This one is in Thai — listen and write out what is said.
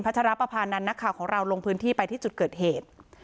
ชรปภานันทร์นักข่าวของเราลงพื้นที่ไปที่จุดเกิดเหตุ